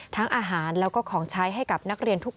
ทั้งอาหารและของใช้ให้กับนักเรียนทุกคน